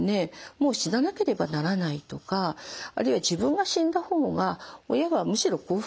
「もう死ななければならない」とかあるいは「自分が死んだ方が親はむしろ幸福なんじゃないか」とか